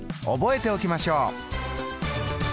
覚えておきましょう。